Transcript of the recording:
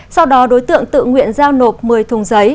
sau đó đối tượng tự nguyện giao nộp một mươi thùng giấy